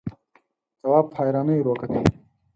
تواب په حيرانۍ ور وکتل.